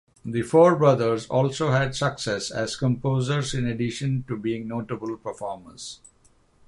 The four brothers also had success as composers in addition to being notable performers.